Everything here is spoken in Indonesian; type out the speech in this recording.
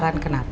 aku kena d cat